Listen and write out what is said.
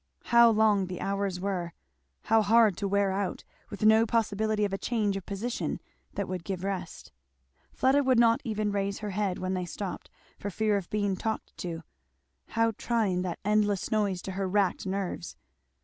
How long the hours were how hard to wear out, with no possibility of a change of position that would give rest; Fleda would not even raise her head when they stopped, for fear of being talked to; how trying that endless noise to her racked nerves.